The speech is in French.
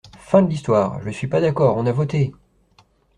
Fin de l’histoire. Je suis pas d’accord, on a voté!